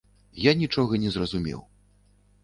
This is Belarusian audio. Я нічога не зразумеў.